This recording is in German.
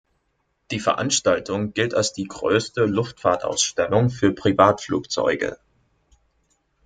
Die Veranstaltung gilt als die größte Luftfahrtausstellung für Privatflugzeuge.